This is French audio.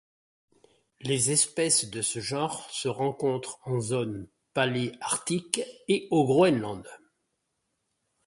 Les espèces de ce genre se rencontrent en zone paléarctique et au Groenland.